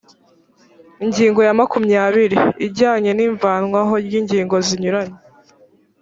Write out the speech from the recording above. ingingo ya makumyabili ijyanye n’ ivanwaho ry’ ingingo zinyuranye